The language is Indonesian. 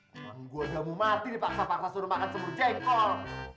emang gue udah mau mati dipaksa paksa suruh makan semur jengkol